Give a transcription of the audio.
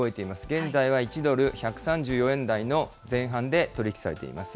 現在は１ドル１３４円台の前半で取り引きされています。